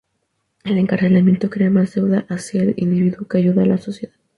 El encarcelamiento crea más deuda hacia el individuo que ayuda a la sociedad.